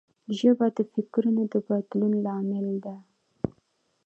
ژبه د فکرونو د بدلون لامل ده